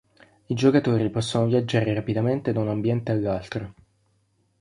I giocatori possono viaggiare rapidamente da un ambiente all'altro.